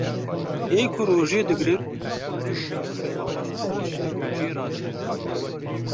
ê ku rojiyê digrin meriv tev bi xêra xweş û geşiya rojiyê radibin.